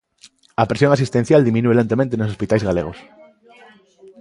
A presión asistencial diminúe lentamente nos hospitais galegos.